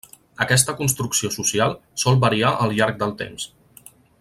Aquesta construcció social sol variar al llarg del temps.